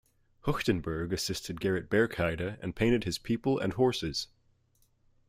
Huchtenburg assisted Gerrit Berckheyde and painted his people and horses.